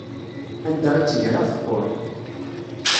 Anda i tt-greɣ teqquṛ.